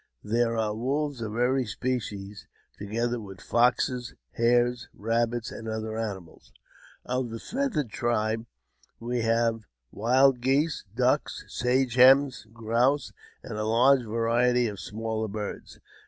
There are wolves of every species, together with foxes, hares, rabbits, and other animals. •Of the feathered tribe, we have wild geese, ducks, sage hens, grouse, and a large variety of smaller birds.